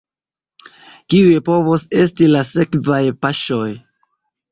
Kiuj povos esti la sekvaj paŝoj?